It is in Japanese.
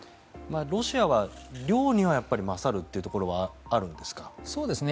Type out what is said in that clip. ロシアは量では勝るというところはあるんですか？